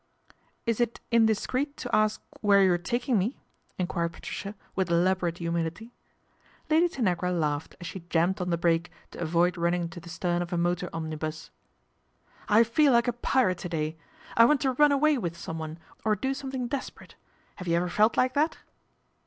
" Is it indiscreet to ask where you are taking ae ?" enquired Patricia with elaborate humility. Lady Tanagra laughed as she jammed on the rake to avoid running into the stern of a motor >mnibus. " I feel like a pirate to day. I want to run .way with someone, or do something desperate, lave you ever felt like that